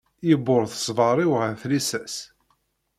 Yewweḍ ṣṣber-iw ɣer tlisa-s.